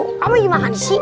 kamu gimana sih